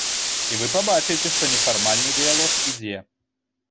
І вы пабачыце, што нефармальны дыялог ідзе.